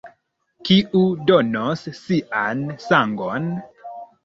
Kiu donos sian sangon?